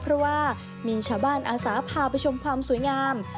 เพราะว่ามีชาวบ้านอาสาพาไปชมความสวยงาม